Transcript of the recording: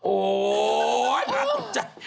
โอ๊ยมาตกใจ